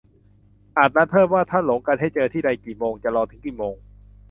- อาจนัดเพิ่มว่า ถ้าหลงกันให้เจอที่ใดกี่โมง จะรอถึงกี่โมง